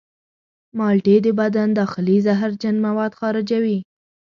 مالټې د بدن داخلي زهرجن مواد خارجوي.